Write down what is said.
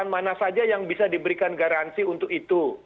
mana saja yang bisa diberikan garansi untuk itu